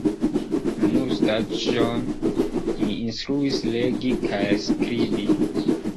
Nur Staĉjon mi instruis legi kaj skribi.